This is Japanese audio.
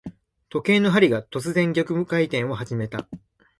時計の針が、突然逆回転を始めた。